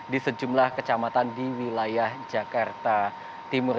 di sejumlah kecamatan di wilayah jakarta timur